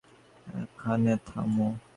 এখানে থামো।